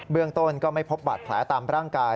เรื่องต้นก็ไม่พบบาดแผลตามร่างกาย